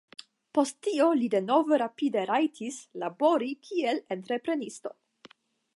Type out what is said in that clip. Post tio li denove rapide rajtis labori kiel entreprenisto.